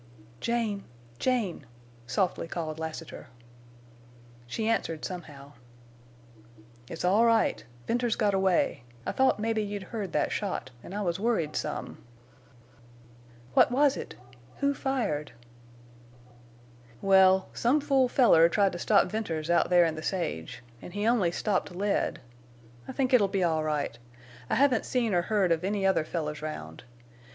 "Jane!... Jane!" softly called Lassiter. She answered somehow. "It's all right. Venters got away. I thought mebbe you'd heard that shot, en' I was worried some." "What was it—who fired?" "Well—some fool feller tried to stop Venters out there in the sage—an' he only stopped lead!... I think it'll be all right. I haven't seen or heard of any other fellers round.